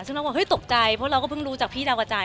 ซึ่งเราบอกเฮ้ยตกใจเพราะเราก็เพิ่งรู้จากพี่ดาวกระจาย